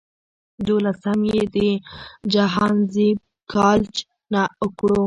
دولسم ئې د جهانزيب کالج نه اوکړو